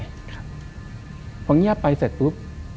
พอเงียบไปเสร็จปุ๊บ